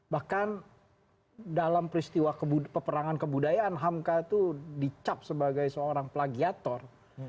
bahkan dalam peristiwa peperangan kebudayaan hamka itu dicap sebagai seorang plagiator